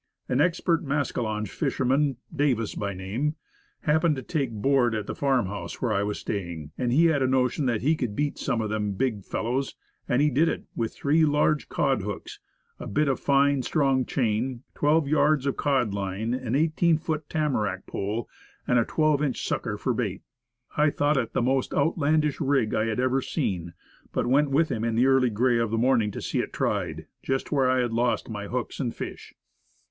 An expert mascalonge fisher man Davis by name happened to take board at the Stout Tackle. 65 /arm house where I was staying, and he had a notion that he could "beat some of them big fellows;" and he did it; did it with three large cod hooks, a bit of fine, strong chain, twelve yards of cod line, an eighteen foot tamarack pole, and a twelve inch sucker for bait. I thought it the most outlandish rig I had ever seen, but went with him in the early gray of the morning to see it tried, just where I had lost my hooks and fish.